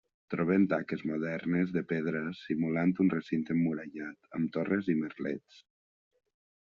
Trobem tanques modernes de pedra simulant un recinte emmurallat amb torres i merlets.